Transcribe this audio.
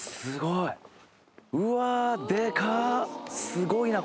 すごいな！